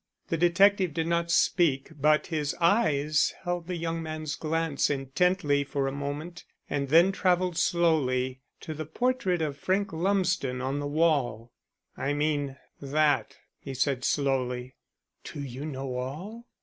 The detective did not speak, but his eyes held the young man's glance intently for a moment, and then traveled slowly to the portrait of Frank Lumsden on the wall. "I mean that," he said slowly. "Do you know all?"